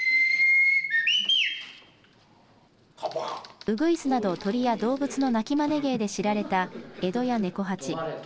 ウグイスなど鳥や動物の鳴きまね芸で知られた、江戸家猫八。